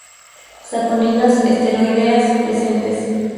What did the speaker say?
Saponinas esteroideas presentes.